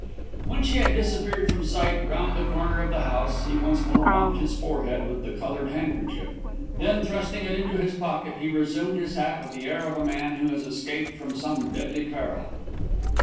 When she had disappeared from sight round the corner of the house, he once more mopped his forehead with the coloured handkerchief, then, thrusting it into his pocket, he resumed his hat with the air of a man who has escaped from some deadly peril.